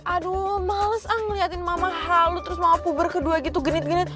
aduh males ah ngeliatin mama halo terus mama puber kedua gitu genit genit